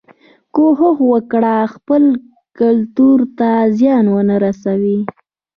کوښښ وکړه خپلو ګټو ته زیان ونه رسوې.